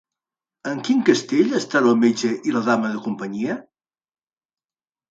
En quin castell estan el metge i la dama de companyia?